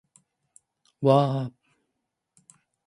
わー